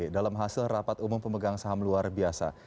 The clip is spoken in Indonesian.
dalam hasil rapat umum pemegang saham luar biasa